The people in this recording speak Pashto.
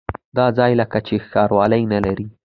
دا ځای لکه چې ښاروالي نه لري.